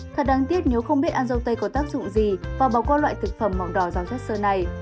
thật đáng tiếc nếu không biết ăn dâu tây có tác dụng gì vào bảo quả loại thực phẩm mỏng đỏ rau chất sơ này